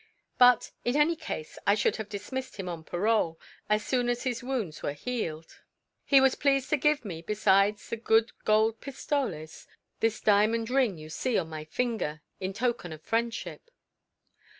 But, in any case, I should have dismissed him on parole, as soon as his wounds were healed. He was pleased to give me, beside the good gold pistoles, this diamond ring you see on my finger, in token of friendship."